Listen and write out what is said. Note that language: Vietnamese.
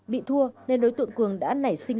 bị thua nên đối tượng cường đã nảy sinh